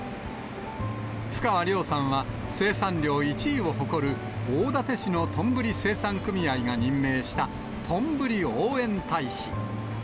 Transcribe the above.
ふかわりょうさんは、生産量１位を誇る大館市のとんぶり生産組合が任命したとんぶり応援大使。